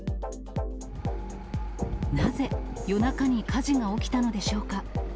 なぜ、夜中に火事が起きたのでしょうか。